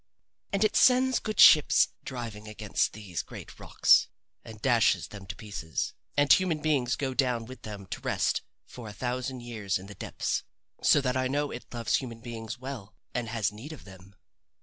And it sends good ships driving against these great rocks, and dashes them to pieces, and human beings go down with them to rest for a thousand of years in the depths, so that I know it loves human beings well, and has need of them.